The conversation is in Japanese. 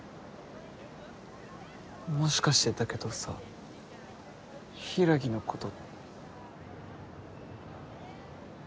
もしかしてだけどさ柊のこと。